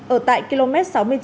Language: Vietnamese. ở tại km sáu mươi chín bốn trăm linh